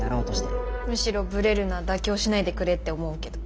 むしろブレるな妥協しないでくれって思うけど。